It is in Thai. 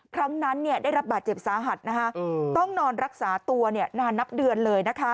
ครั้งนั้นได้รับบาดเจ็บสาหัสต้องนอนรักษาตัวนานนับเดือนเลยนะคะ